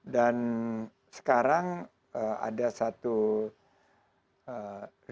dan sekarang ada satu renewal